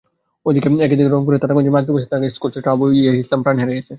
একই দিন রংপুরের তারাগঞ্জে মাইক্রোবাসের ধাক্কায় স্কুলছাত্র আবু ইয়াহিয়া ইসলাম প্রাণ হারিয়েছে।